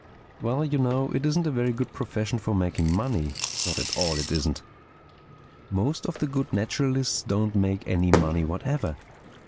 "Well you know, it isn't a very good profession for making money. Not at all, it isn't. Most of the good naturalists don't make any money whatever.